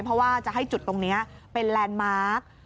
เพราะว่าจะให้จุดตรงนี้เป็นแลนด์มาร์ค